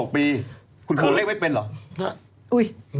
๒๖ปีคุณครูเลขไม่เป็นเหรอ